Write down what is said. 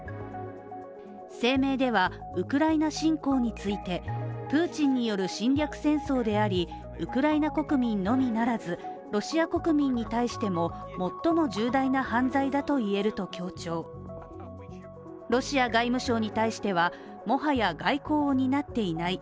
声明では、ウクライナ侵攻についてプーチンによる侵略戦争であり、ウクライナ国民のみならず、ロシア国民に対しても、最も重大な犯罪だといえると強調し、ロシア外務省に対しては、もはや外交を担っていない。